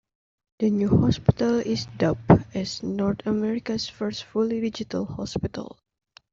The new hospital is dubbed as "North America's first fully digital hospital".